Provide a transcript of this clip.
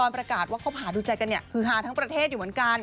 ประกาศว่าคบหาดูใจกันเนี่ยคือฮาทั้งประเทศอยู่เหมือนกัน